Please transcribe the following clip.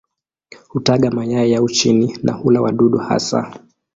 Hutaga mayai yao chini na hula wadudu hasa.